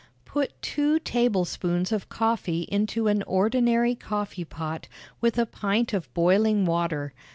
Put two tablespoonfuls of coffee into an ordinary coffee pot, with a pint of boiling water.